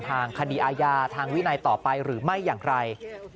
ทางคดีอาญาทางวินัยต่อไปหรือไม่อย่างไร